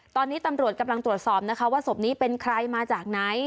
ตอนนี้ตำรวจกำลังตรวจสอบนะคะว่าศพนี้เป็นใครมาจากไหน